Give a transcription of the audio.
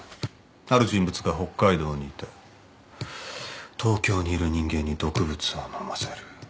ある人物が北海道にいて東京にいる人間に毒物を飲ませる。